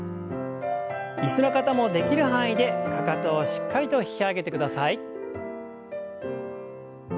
椅子の方もできる範囲でかかとをしっかりと引き上げてください。